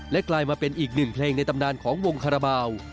กลายมาเป็นอีกหนึ่งเพลงในตำนานของวงคาราบาล